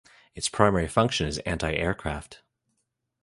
Its primary function is anti-aircraft.